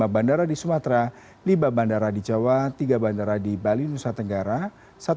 dua bandara di sumatera lima bandara di jawa tiga bandara di bali nusa tenggara